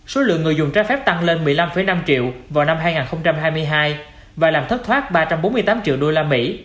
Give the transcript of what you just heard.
số lượng người dùng trái phép tăng lên một mươi năm năm triệu vào năm hai nghìn hai mươi hai và làm thất thoát ba trăm bốn mươi tám triệu đô la mỹ